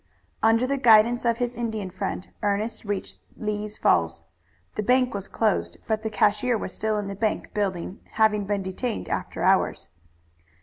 Under the guidance of his Indian friend Ernest reached Lee's Falls. The bank was closed, but the cashier was still in the bank building, having been detained after hours.